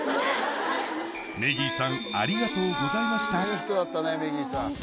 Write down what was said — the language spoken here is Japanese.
いい人だったねメギーさん。